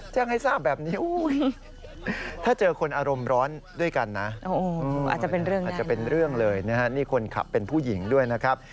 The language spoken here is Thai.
แจ้งให้ทราบแบบนี้ถ้าเจอคนอารมณ์ร้อนด้วยกันนะอาจจะเป็นเรื่องอาจจะเป็นเรื่องเลยนะฮะนี่คนขับเป็นผู้หญิงด้วยนะครับ